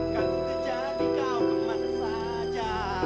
kan ku kejati engkau kemana saja